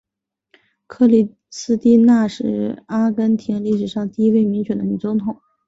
克里斯蒂娜是阿根廷历史上第一位民选的女总统。